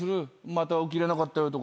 また起きれなかったよとか。